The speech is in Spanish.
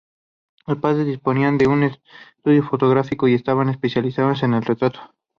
Sus padres disponían de un estudio fotográfico y estaban especializados en el retrato.